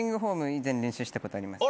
以前練習したことあります。